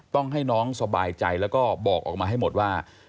ต้องให้น้องสบายใจแล้วก็บอกออกมาให้หมดว่า